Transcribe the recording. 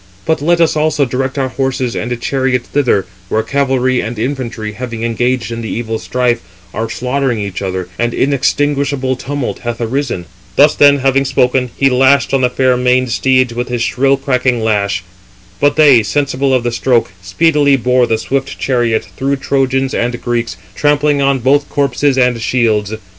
But let us also direct our horses and chariot thither, where cavalry and infantry, having engaged in the evil strife, are slaughtering each other, and inextinguishable tumult hath arisen." Thus then having spoken, he lashed on the fair maned steeds with his shrill cracking lash. But they, sensible of the stroke, speedily bore the swift chariot through Trojans and Greeks, trampling on both corses and shields.